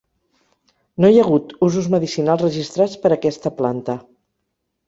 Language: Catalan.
No hi ha hagut usos medicinals registrats per a aquesta planta.